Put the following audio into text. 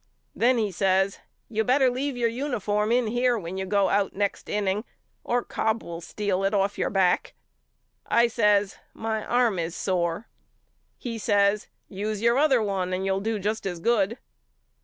Then he says You better leave your uni form in here when you go out next inning or Cobb will steal it off your back. I says My arm is sore. He says Use your other one and you'll do just as good.